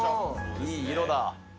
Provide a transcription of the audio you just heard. いい色だ。